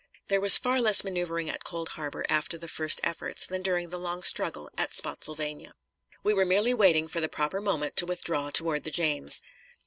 There was far less maneuvering at Cold Harbor after the first efforts than during the long struggle at Spottsylvania. We were merely waiting for the proper moment to withdraw toward the James.